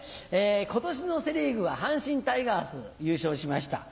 今年のセリーグは阪神タイガース優勝しました。